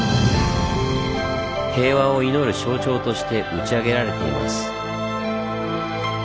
平和を祈る象徴として打ち上げられています。